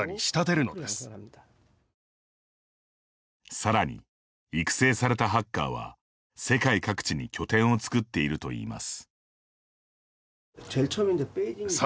さらに、育成されたハッカーは世界各地に拠点を作っているといいます。